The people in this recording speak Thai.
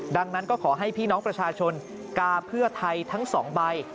ดังนั้นก็ขอให้พี่น้องประชาชนกาเพื่อไทยทั้ง๒ใบ